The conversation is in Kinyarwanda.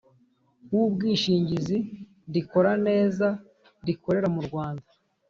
w ubwishingizi rikora neza rikorera mu rwanda